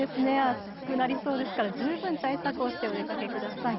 暑くなりそうですから十分対策をしてお出かけください。